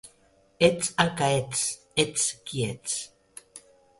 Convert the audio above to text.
Ets el que ets, ets qui ets.